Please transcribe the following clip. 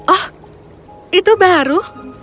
oh itu baru